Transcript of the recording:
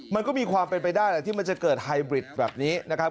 มันก็มีความเป็นไปได้แหละที่มันจะเกิดไฮบริดแบบนี้นะครับ